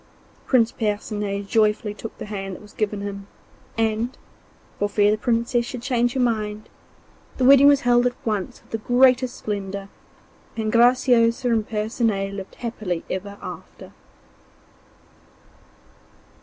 Prince Percinet joyfully took the hand that was given him, and, for fear the Princess should change her mind, the wedding was held at once with the greatest splendour, and Graciosa and Percinet lived happily ever after.